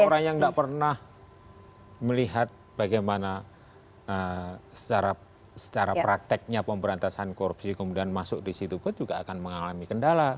orang yang tidak pernah melihat bagaimana secara prakteknya pemberantasan korupsi kemudian masuk di situ pun juga akan mengalami kendala